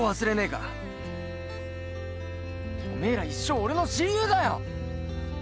おめえら一生俺の親友だよ！